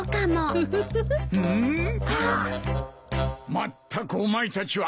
まったくお前たちは。